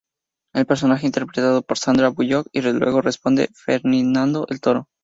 El personaje interpretado por Sandra Bullock y luego responde: "Ferdinando el toro".